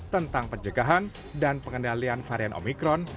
tentang pencegahan dan pengendalian varian omikron